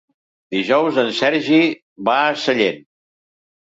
Dijous en Sergi va a Sellent.